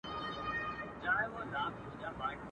او خير ښېګڼي بنسټ دی